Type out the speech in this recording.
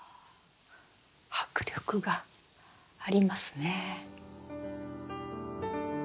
迫力がありますね。